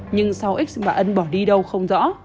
nhưng sau x mà ân bỏ đi đâu không rõ